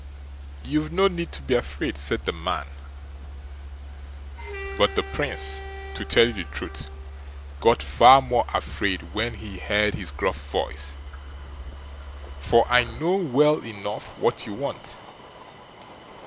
"YOU'VE NO NEED TO BE AFRAID", said the man—but the Prince, to tell you the truth, got far more afraid when he heard his gruff voice—"for I know well enough what you want.